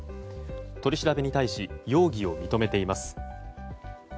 取り調べに対し容疑を認めています。